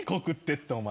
ってお前。